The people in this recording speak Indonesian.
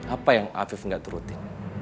apa yang afif nggak turutin